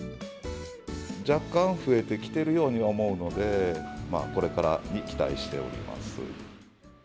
若干増えてきているようには思うので、まあ、これからに期待しております。